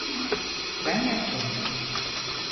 Ben yaptım.